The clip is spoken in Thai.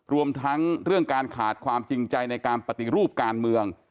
รวมทั้งเรื่องการขาดความจริงใจในการปฏิรูปการเมือง